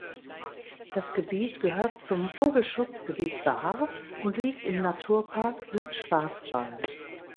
Das Gebiet gehört zum Vogelschutzgebiet Baar und liegt im Naturpark Südschwarzwald.